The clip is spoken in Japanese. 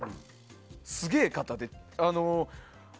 すげえ方で。